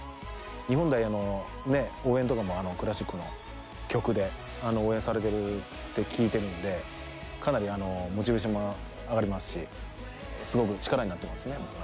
日本代表の応援とかもクラシックの曲で応援されてるって聞いてるのでかなりモチベーションも上がりますしすごく力になってますね。